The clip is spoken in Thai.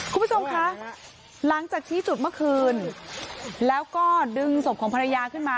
คุณผู้ชมคะหลังจากชี้จุดเมื่อคืนแล้วก็ดึงศพของภรรยาขึ้นมา